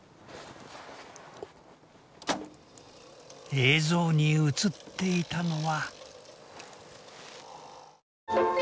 映像に映っていたのは。